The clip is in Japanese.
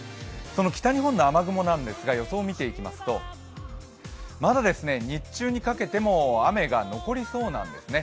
北日本の雨雲なんですが、予想を見ていきますとまだ日中にかけても雨が残りそうなんですね。